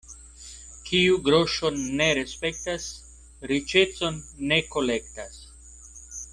Kiu groŝon ne respektas, riĉecon ne kolektas.